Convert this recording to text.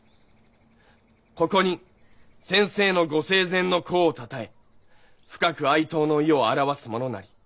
ここに先生のご生前の功を称え深く哀悼の意を表すものなり。